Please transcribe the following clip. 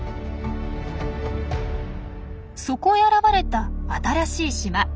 そこへ現れた新しい島。